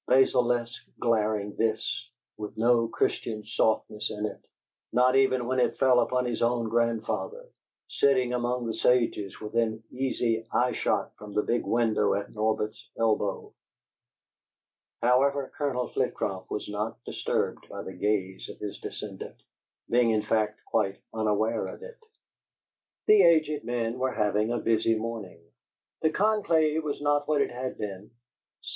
Basilisk glaring this, with no Christian softness in it, not even when it fell upon his own grandfather, sitting among the sages within easy eye shot from the big window at Norbert's elbow. However, Colonel Flitcroft was not disturbed by the gaze of his descendant, being, in fact, quite unaware of it. The aged men were having a busy morning. The conclave was not what it had been.